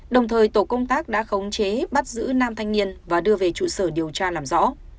đồng thời tổ công tác đã khống chế bắt giữ nam thanh niên và đưa về trụ sở điều tra làm rõ